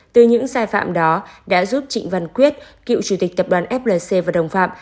từ những sai phạm đó đã giúp trịnh văn quyết cựu chủ tịch tập đoàn flc và đồng phạm